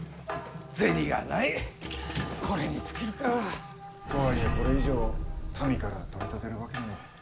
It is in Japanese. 銭がないこれに尽きるか。とはいえこれ以上民から取り立てるわけにも。